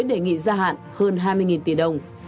đề nghị gia hạn hơn hai mươi tỷ đồng